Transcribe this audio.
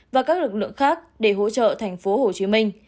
và các lực lượng khác để hỗ trợ tp hcm